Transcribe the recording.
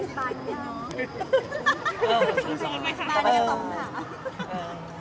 ปานี้คำถาม